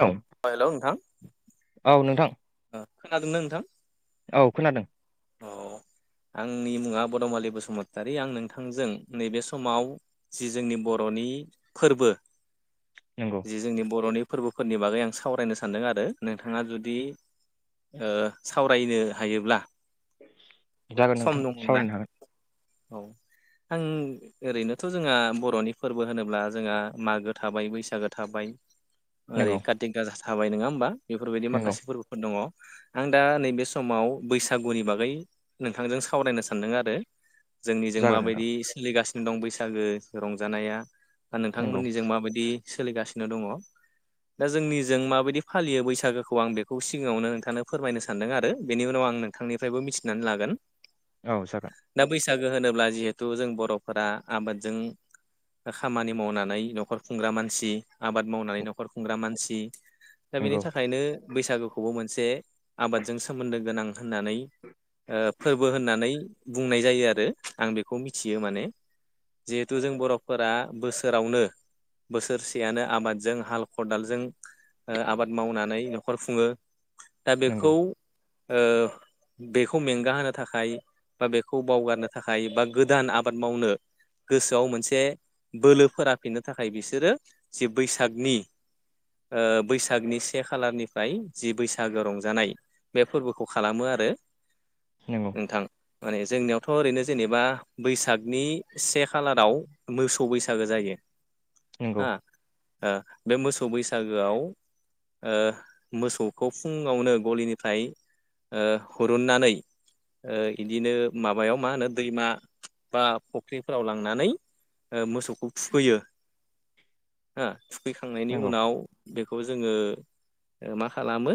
औ हेलौ नोंथां औ नोंथां [inaudible] खोनादों ना नोंथां? औ खोनादों। अ आंनि मुङा बदमालि बसुमतारी आं नोंथांजों नैबे समाव जि जोंनि बर'नि फोरबो। नंगौ जि जोंनि बर'नि। फोरबोफोरनि बागै आं सावरायनो सानदों आरो नोंथाङा जुदि सावरायनो ओ हायोब्ला। [inaudible] जागोन सम नोंथां दङब्ला सावरायनो हागोन। औ आं ओरैनोथ' जोंहा बर'नि फोरबो होनोब्ला जोंहा मागो थाबाय बैसागो थाबाय। ओरै नंगौ काति गासा। थाबाय नङा होमबा? बेफोरबायदि नंगौ माखासे फोरबोफोर दङ। आं दा नैबे समाव बैसागुनि बागै। नोंथांजों सावरायनो सानदों आरो। जोंनिजों जागोन नोंथां माबायदि सोलिगासिनो। दं बैसागो रंजानाया। नंगौ नोंथांमोननि जों माबायदि। सोलिगासिनो दङ दा जोंनिजों माबायदि फालियो बैसागोखौ आं बेखौ सिगाङावनो नोंथांनो फोरमायनो सानदों आरो बेनि उनाव आं नोंथांनिफ्रायबो मिथि नानै लागोन। औ जागोन। दा बैसागो होनोब्ला जिहेथु जों बर'फोरा आबादजों खामानि मावनानै न'खर खुंग्रा मानसि आबाद मावनानै न'खर खुंग्रा मानसि। दा बेनि नंगौ थाखायनो। बैसागोखौबो मोनसे आबादजों सोमोन्दो गोनां होननानै। फोरबो होननानै बुंनाय जायो आरो आं बेखौ मिथियो माने जिहेथु जों बर'फोरा बोसोरावनो बोसोरसेयानो आबादजों हाल खदालजों आबाद मावनानै न'खर खुङो। दा बेखौ नंगौ औ बेखौ खौ मेंगा होनो थाखाय बा बेखौ बावगारनो थाखाय बा गोदान आबाद मावनो गोसोआव मोनसे बोलो फोराफिननो थाखाय बिसोरो जि बैसागनि बैसागनि से खालारनिफ्राय जि बैसागो रंजानाय बे फोरबोखौ खालामो आरो नंगौ नोंथां माने जोंनियाव थ' ओरैनो जेनेबा बैसागनि से खालाराव मोसौ बैसागो जायो नंगौ हा बे मोसौव सौ बैसागोआव ओ मोसौखौ फुङावनो गलिनिफ्राय ओ हुरुननानै ओ इदिनो माबायाव मा होनो दैमा बा फुख्रिफोराव लांनानै मोसौखौ थुखैयो हो थुखैखांनायनि नंगौ उनाव बेखौ जोङो मा खालामो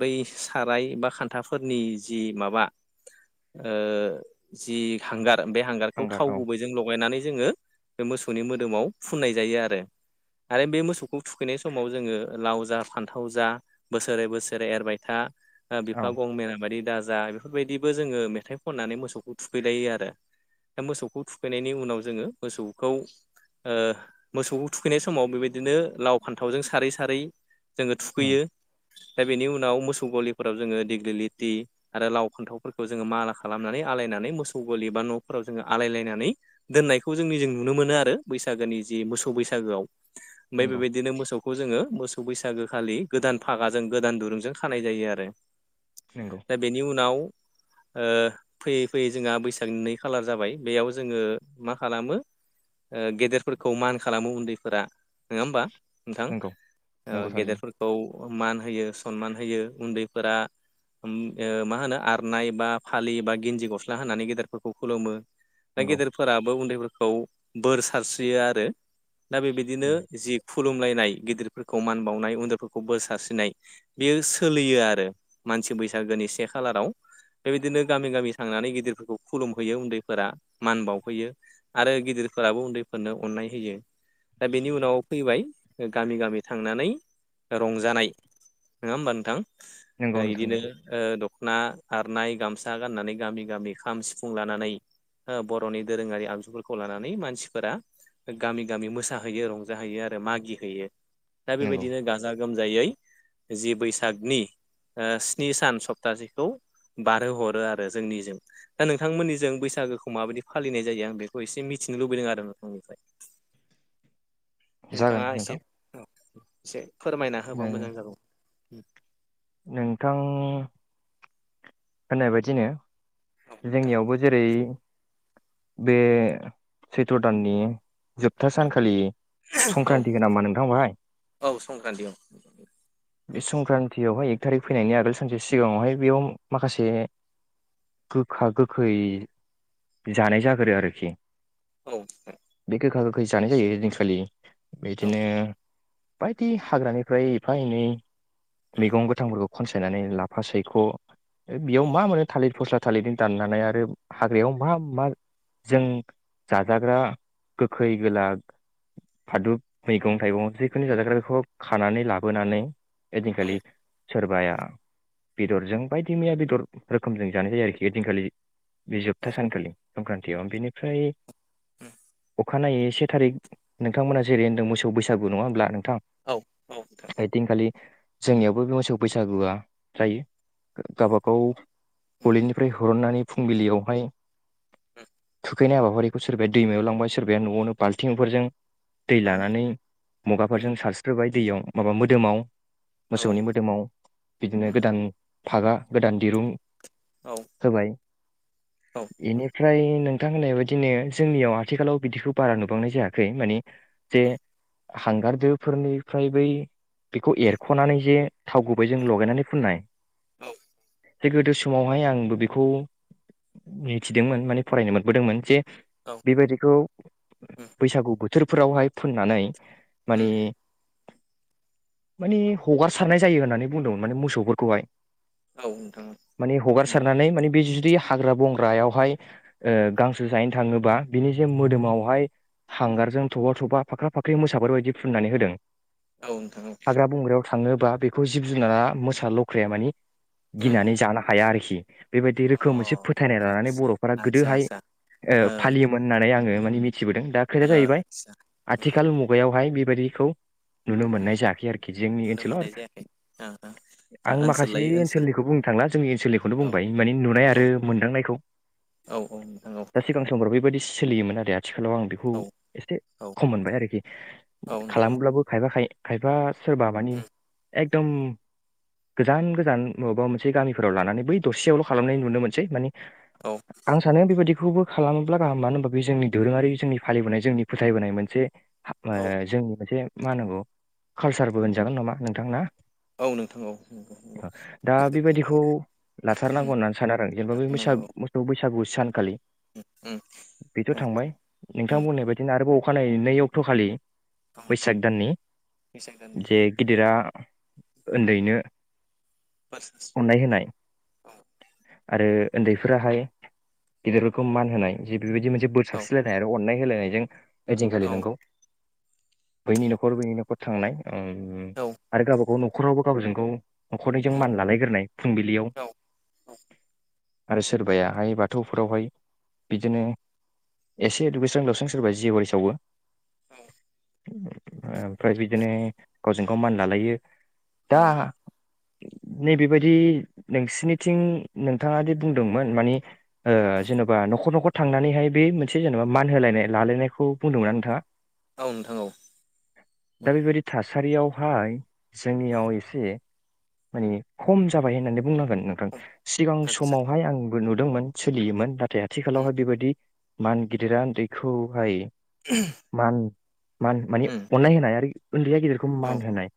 बै साराय बा खान्थाफोरनि जि माबा ओ जि हांगार बे हांगारखौ हांगार थाव औ गुबै जों लगायनानै जोङो बे मोसौनि मोदोमाव फुननाय जायो आरो आरो बे मोसौखौ थुखैनाय समाव जोङो लाव जा फान्थाव जा बोसोरै बोसोरै एरबाय था औ बिफा गं मेेना बायदि दाज जा बेफोरबायदिबो जोङो मेथाइ खननानै मोसौखौ थुखैलायो आरो दा मोसौखौ थुखैनायनि उनाव जोङो मोसौखौ मोसौखौ थुखैनाय समाव बेबायदिनो लाव फान्थावजों सारै सारै जोङो उम थुखैयो दा बेनि उनाव उनाव मोसौ गलिफोराव जोङो दिग्लिलिटि आरो लाव फानथावफोरखौ जोङो माला खालामनानै आलायनानै मोसौ गलि बा न'फोराव जोङो आलायलायनानै दोनायखौ जोंनि जों नुनो मोनो आरो बैसागोनि जि मोसौ बैसागोआव ओमफाय नंगौ बेबायदिनो मोसौखौ जोङो मोसौ बैसागो खालि गोदान फागाजों गोदान दुरुंजों खानाय जायो आरो नंगौ दा बेनि उनाव औ फैयै फैयै जोंहा बैसागनि नै खालार जाबाय बेयाव जोङो मा खालामो गेदेरफोरखौ मान खालामो उन्दैफोरा नोङा होमबा नोंथां नंगौ नंगौ थारैनो गेदेरफोरखौ मान होयो सनमान होयो उन्दैफोरा म मा होनो आर आरनाय बा फालि बा गिन्जि गस्ला होनानै गेदेरफोरखौ खुलुमो दा नंगौ गेदेरफोराबो उन्दैफोरखौ बोर सारस्रियो आरो दा बेबायदिनो जि खुलुमलायनाय गिदिरफोरखौ मान बावनाय उन्दैफोरखौ बोर सारस्रिनाय बेयो सोलियो आरो मानसि बैसागोनि से खालाराव बेबायदिनो गामि गामि थांनानै गिदिरफोरखौ खुलुमहैयो उन्दैफोरा मान बावहैयो आरो गिदिरफोराबो उन्दैफोरनो अननाय होयो दा बेनि उनाव फैबाय गामि गामि थांनानै रंजानाय नोङा होमबा नोंथां? नंगौ ओ नोंथां इदिनो नंगौ ओ द ना खारनाय गामसा गाननानै गामि गामि खाम सिफुं लानानै बर'नि दोरोङारि आगजुफोरखौ लानानै मानसिफोरा गामि गामि मोसाहैयो रंजाहैयो आरो मागिहैयो। दा नंगौ बेबायदिनो गाजा गोमजायै जि बैसागनि स्नि सान सप्तासेखौ बारहो हरो आरो जोंनिजों दा नोंथांमोननिजों बैसागोखौ माबायदि फालिनाय जायो आं बेखौ एसे मिथिनो लुबैदों आरो नोंथांनिफ्राय। जागोन नोंथांया एसे नोंथां से फोरमायना होबा नों- मोजां जागौ। [inaudible] नोंथां। होननाय बायदिनो जोंनियावबो जेरै बे सैथ्र' दाननि जोबथा सानखालि औ संक्रान्ति होनामा नोंथांबाहाय औ संक्रान्ति औ बे संक्रान्ति बेवहाय एक थारिक फैनायनि आगोल सानसे सिगाङावहाय बेयाव। माखासे गोखा गोखै जानाय जागोरो आरोखि। औ बे गोखा गोखै जानाय जायो ओयदिनखालि। औ बेदिनो बायदि हाग्रानिफ्राय एफा एनै औ मैगं गोथांफोरखौ। खनसायनानै लाफा सैख बेयाव मा मोनो थालिर फस्ला थालिरजों दाननानै आरो हाग्रायाव मा मा जों जाजाग्रा गोखै गोला फादुब मैगं थाइगं जिखुनु जाजाग्रा बेखौ खानानै लाबोनानै। औ एदिनखालि सोरबाया। बेदरजों बायदि मैया बेदर रोखोमजों जानाय जायो आरोखि ओदिनखालि। बे औ जोपथा सानखालि। संक्रान्तियाव बिनिफ्राय उम अखानायै से थारिक नोंथांमोनहा जै होनदों मोसौ बैसागु नङा होनब्ला। थां‌ औ औ नोंथां आइदिन खालि जोंनियावबो बे मोसौ बैसागुआ जायो। औ गावबा गाव उम गलिनिफ्राय हुरननानै फुंबिलियावहाय थुखैनाय हाबाफारिखौ सोरबाया दैमायाव लांबाय सोरबाया न'आवनो बाल्थिंफोरजों। दै औ लानानै उम मुगाफोरजों सारस्रोबाय। दैयाव माबा मोदोमाव औ मोसौनि मोदोमाव बिदिनो उम गोदान फागा गोदान दिरुं औ होबाय नोंथां बेनिफ्राय नों नोंथां होननाय बायदिनो जोंनियाव आथिखालाव बिदिखौ बारा नुबांनाय जायाखै माने जे हांगारदोफोरनिफ्राय बै बेखौ एरख'नानै जे थाव गुबैजों लगायनानै फुननाय औ जे गोदो समावहाय आंबो बेखौ मिथिदोंमोन माने फरायनो मोनबोदोंमोन जे औ बेबायदिखौ उम बैसागु बोथ बोथोरफोरावहाय फुननानै मानि उम माने हगारसारनाय जायो होननानै बुंदोंमोन माने मोसौफोरखौहाय। औ नोंथां माने उम हगारसारनानै माने बे जुदि हाग्रा बंग्रायावहाय गांसो जाहैनो थाङोबा बिनि जे मोदोमावहाय हांगारजों थबा थबा फाख्रा फाख्रि मोसाफोरबायदि फुननानै होदों। औ नोंथां औ। हाग्रा बंग्रायाव थाङोबा बेखौ जिब जुनारा मोसा लख्राया मानि उम गिनानै जानो हाया आरो खि बेबायदि अ रोखोम मोनसे फोथायनाय लानानै आतसा बर'फोरा आतसा गोदोहाय आतसा ओ फालियोमोन होननानै आंङो माने मिथिबोदों दा खोथाया ओ जाहैबाय आतसा उम आथिखाल मुगायावहाय बे बादिखौ नुनो उम मोननाय जायाखै आरोखि जोंनि नुनो ओनसोलाव मोननाय जायाखै ओ ओ दा आं माखासे ओनसोल एसे लायै ओनसोल ओनसोलनिखौ बुंनो थांला जोंनि ओनसोलनिखौनो औ बुंबाय माने नुनाय औ आरो मोनदांनायखौ औ नोंथां औ दा सिगां समफ्राव बेबायदि सोलियोमोन आरो। आथिखालाव आं बेखौ औ एसे औ खम मोनबाय आरोखि औ नोंथां औ खालामोब्लाबो खायबा खाय खायफा सोरबा मानि एकदम गोजान गोजान मबेबा मोनसे गामिफोराव लानानै बै दसेयावल' खालामनाय नुनो मोनसै माने औ आं सानो बेबायदि बेखौबो खालामोब्ला गाहाम मानो होनबा बे जोंनि दोरोंङारि जों फालिबोनाय जों फोथायबोनाय मोनसे जोंनि मोनसे मा होननांगौ कालसारबो होनजागोन नामा नोंथां ना? औ नोंथां औ। नंगौ नंगौ दा बेबायदिखौ लाथारनांगौ होननानै सानो आरो जेनेबा बै बैसा थाथारनांगौ औ मोसौ बैसागु सानखाालि उम औ बेथ' थांबाय नोंथां बुंनाय बायदिनो आरोबाव अखानायै नै अक्ट'खालि बैसाग दाननि बैसाग दाननि जे गिदिरा उन्दैनो बोर सारस्रिनाय अननाय होनाय औ आरो उन्दैफोराहाय गेदेरफोरखौ मान होनाय जिब बेबायदि मोनसे बोर औ साबस्रिलायनाय आरो अननाय होलायनायजों ओइदिनखालि औ नोंगौ बैनि न'खर बैनि न'खर थांनाय ओम औ आरो गाबा गाव न' खरावबो गावजों गाव न'खरनिजों उम मान लालायग्रोनाय फुंबिलियाव औ औ आरो सोरबायाहाय बाथौफोरावहाय बिदिनो एसे दुगैस्रां लोबस्रां सोरबा जेवारि सावो। उम [inaudible] आम फ्राय बिदिनो गावजों गाव मान लालायो दा उम नैबेबायदि नोंसिनिथिं नोंथाङा दि बुंदोंमोन मानि ओ जेन'बा न'खर न'खर थांनानैहाय बे मोनसे जेन'बा मान होलायनाय लालायनायखौ बुंदोंमोना नोंथाङा औ नोंथां औ औ सारियावहाय जोंनियाव एसे माने खम जाबाय होननानै बुंनांगोन नोंथां औ सिगां आदसा समावहाय आं नुदोंमोन सोलियोमोन दा थे उम आथिखालावहाय बेबायदि मान गिदिरा उन्दैखौहाय मान मान मानि उम अन्नाय होनाय आरि उन्दैया गिदिरखौ औ मान होनाय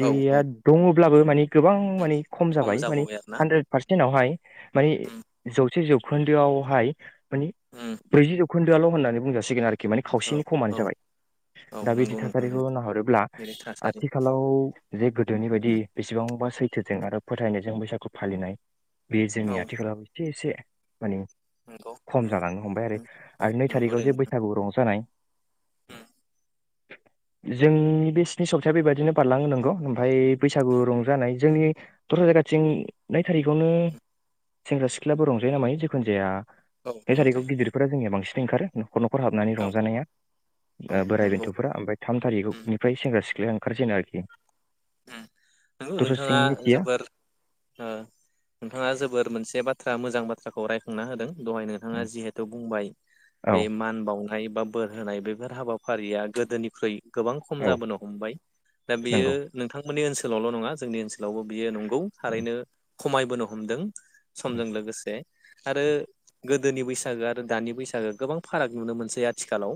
औ औ दङ ब्लाबो माने गोबां उम मानि खम जाबाय मानि जाबोबाय आरो ना हानद्रेद पारस उनावहाय माने उम जौसे जौखोन्दोआवहाय माने उम ब्रैजि जौ खोनदोआल होननानै बुंजसिगोन आरो माने औ खावसेनि खमानो औ जाबाय औ दा बिदि नंगौ नोंथां थासारिखौ नंगौ नाहरोब्ला बेनि थासारि आथिखालाव जे गोदोनि बायदि उम [unintelligible] सैथोजों आरो फोथायनायजों बैसागु फालिनाय बे जोंनि औ आथिखालाव एसे एसे माने नंगौ खम नंगौ जालांनो हमबाय आरो उम औ आरो नै नंगौ थारिखाव दे जे नोंथां बैसागु रंजानाय उम जोंनि बे स्नि सप्ताया बेबायदिनो बारलाङो नंगौ ओमफाय। बैसागु रंजानाय जोंनि दस्रा जायगाथिं नै थारिखावनो सेंग्रा सिख्लाबो रंजायो नामायो जेखुनु जाया औ औ बे नंगौ थारिखखौ गिदिरफोरा जोंनिया बांसिन [unintelligible] न'खर न'खर हाबनानै औ रंजानाया औ ओ बोराय नंगौ बेन्थ'फोरा ओमफ्राय थाम उम थारिखनिफ्राय सेंग्रा सिख [unintelligible] ओंखारसैना आरोखि। नंगौ दस्राथिं नोंथाङा मिथिया जोबोर ओ नोंथाङा जोबोर मोनसे बाथ बाथ्रा मोजां बाथ्राखौ रायखांना होदों। दहाय नोंथाङा उम जेहेथु बुंबाय औ बे मान बाव बा बोर होनाय बेफोर हाबाफारिया गोदोनिख्रुइ गोबां खम औ जाबोनो हमबाय दा बियो नंगौ नोंथांमोननि ओनसोलावल' नङा जोंनि ओनसोलावबो बियो नं औ थारैनो। खमायबोनो हमदों। उम समजों लोगोसे आरो गो गोदोनि बैसागो आरो दानि बैसागो गोबां फाराग नुनो मोनसै आथिखालाव।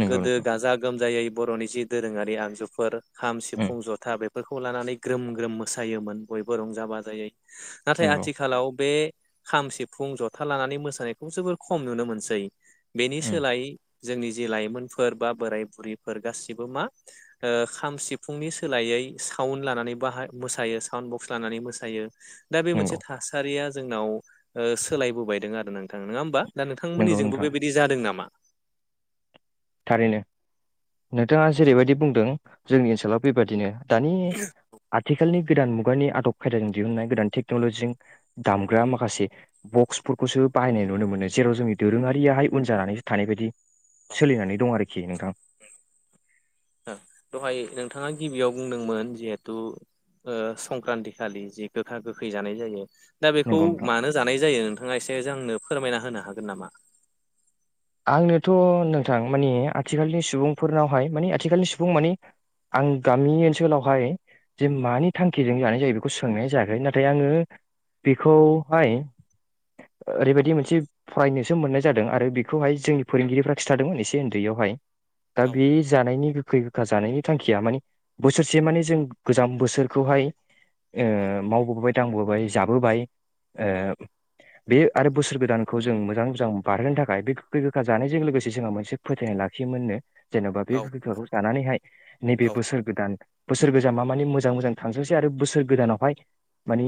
नंगौ गोदो नोंथां गाजा गोमजायै बर'नि जि दोरोङारि आगजुफोर खाम उम सिफुं ज बेफोरखौ लानानै ग्रोम ग्रोम मोसायोमोन बयबो रंजा बाजायै। नाथाय नंगौ आथिखालाव बे खाम सिफुं जथा लानानै मोसानायखौ जोबोर खम नुनो मोनसै। बेनि उम सोलायै। जोंनि जे लाइमोनफोर बा बोराय बुरैफोर गासिबो मा ओ खाम सिफुंनि सोलायै साउन्ड लानानै मोसायो साउन्ड बक्स लानानै मोसायो। दा बे मोनसे नंगौ थासारिया जोंनाव ओ सोलायबोबायदों आरो नोंथां नङा होमबा दा नंगौ नोंथांमोननिजोंबो नोंथां बेबायदि जादों नामा? थारैनो नोंथाङा जेरैबायदि बुंदों जोंनि ओनसोलाव बेबायदिनो दानि आथिखालनि गोदान मुगानि आदब खायदाजों दिहुननाय गोदान टेक्न'लजिजों दामग्रा माखासे बक्सफोरखौसो बाहायनाय नुनो मोनो जेराव जोंनि दोरोङारियाहाय उन जानानैसो थानाय बायदि सोलिनानै दं आरोखि नोंथां दहाय नोंथाङा गिबियाव बुंदोंमोन जिहेथु संक्रान्ति खालि जि गोखा गोखै जानाय जायो दा बेखौ नंगौ नोंथां मानो जानाय जायो नोंथाङा एसे जोंनो फोरमायना होनो हागोन नामा? आंनोथ' नोंथां मानिे आथिखालनि सुबुंफोरनावहाय माने आथिखालनि सुबुं मानिे आं गामि ओनसोलावहाय जे मानि थांखिजों जानाय जायो बेखौ सोंनाय जायाखै नाथाय आङो बेखौहाय ओरैबायदि मोनसे फरायनोसो मोननाय जादों आरो बे बेखौहाय जोंनि फोरोंगिरिफ्रा खिथादोंमोन एसे उन्दैयावहाय दा औ बे जानायनि गोखै गोखा जानायनि थांखिया मानि बोसोरसे माने जों गोजाम बोसोरखौहाय ओ मावबोबाय दांबोबाय जाबोबाय ओ बे आरो बोसोर गोदानखौ जों मोजाङै मोजां बारहोनो थाखाय बे गोखै गोखा जानायजों लोगोसे जोंहा मोनसे फोथायनाय लाखियोमोननो जेनबा बे औ [unintelligible] जानानैहाय नैबे औ बोसोर गोदान बोसोर गोजामा माने मोजां मोजां थांथोंसै आरो बोसोर गोदानावहाय मानि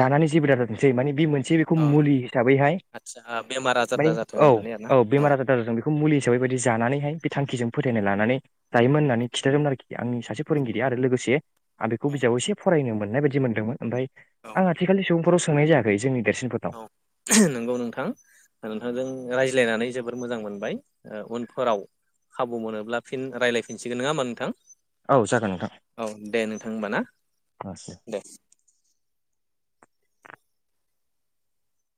जानानै जेबो दाजाथोंसै माने बे मोनसे बेखौ मुलि हिसाबैहाय आथसा बेमार आजार माने दाजाथो औ औ बेमार आजार दाजाथों बेखौ मुलि हिसाब बेबायदि जानानैहाय बे थांखिजों फोथायनाय लानानै जायोमोन होननानै खिथादोंमोन आरोखि आंनि सासे फोरोंगिरि आरो लोगोसे आं बेखौ बिजाबाव एसे फरायनो मोननाय बायदि मोन्दोंमोन ओमफाय आं आथिखालनि सुबुंफोराव सोंनाय जायाखै जोंनि देरसिनफोरनाव औ नंगौ नोंथां नोंथांजों रायज्लायनानै जोबोर मोजां मोनबाय उनफोराव खाबु मोनोब्ला फिन रायज्लायफिनसिगोन नङा होमबा नोंथां औ जागोन औ दे नोंथां होमबा ना नोंथां दे